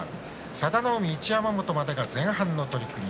佐田の海と一山本までが前半の取組。